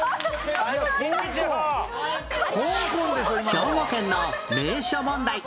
兵庫県の名所問題